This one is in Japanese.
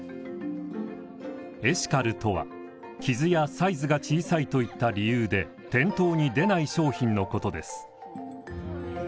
エシカルとは傷やサイズが小さいといった理由で店頭に出ない商品のことです。